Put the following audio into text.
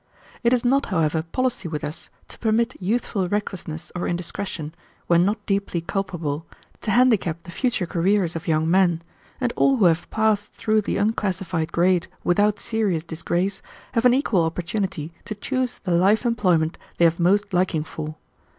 It is not, however, policy with us to permit youthful recklessness or indiscretion, when not deeply culpable, to handicap the future careers of young men, and all who have passed through the unclassified grade without serious disgrace have an equal opportunity to choose the life employment they have most liking for.